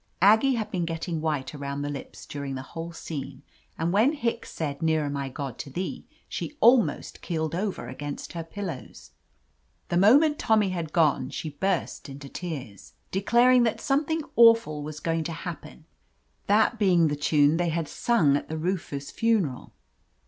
Aggie had been getting white around the lips during the whole scene, and when Hicks said "Nearer, my God, to Thee," she almost keeled over against her pillows. The mo ment Tommy had gone, she burst into tears, 133 r THE AMAZING ADVENTURES declaring that something av v ,> oing to happen, that being the tune tn ^ .<id sung at the roofer's funeral.